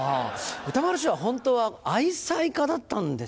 歌丸師匠はホントは愛妻家だったんですね。